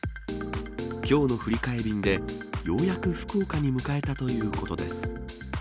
きょうの振り替え便で、ようやく福岡に向かえたということです。